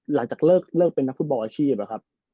หลังจากเลิกเป็นนักฟุตบอลอาชีพอะครับ